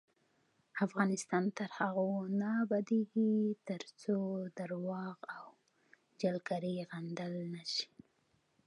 افغانستان تر هغو نه ابادیږي، ترڅو درواغ او جعلکاری غندل نشي.